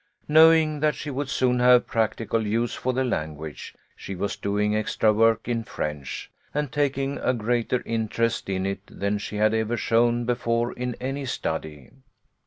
Knowing that she would soon have practical use for the language, she was doing extra work in French, and taking a greater interest in it than she had ever shown before in any study.